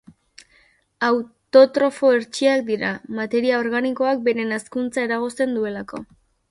Autotrofo hertsiak dira, materia organikoak beren hazkuntza eragozten duelako.